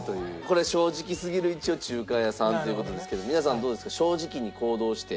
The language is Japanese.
これ正直すぎる一応中華屋さんっていう事ですけど皆さんどうですか？